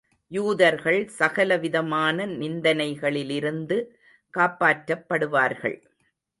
யூதர்கள் சகல விதமான நிந்தனைகளிலிருந்து காப்பாற்றப் படுவார்கள்.